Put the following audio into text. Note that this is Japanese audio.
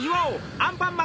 アンパンマン！